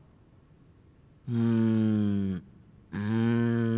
うんうん。